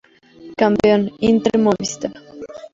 Campeón: Inter Movistar.